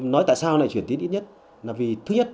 nói tại sao này chuyển tuyến ít nhất là vì thứ nhất